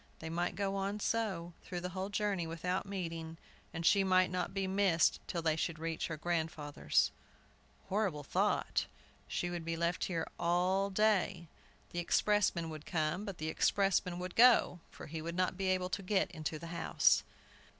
They might go on so, through the whole journey, without meeting, and she might not be missed till they should reach her grandfather's! Horrible thought! She would be left here alone all day. The expressman would come, but the expressman would go, for he would not be able to get into the house!